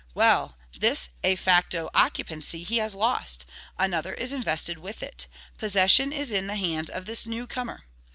Well! this ae facto occupancy he has lost; another is invested with it: possession is in the hands of this new comer.